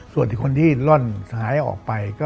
ส่วนอีกคนที่ร่อนซ้ายออกไป